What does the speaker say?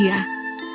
dia suka berbicara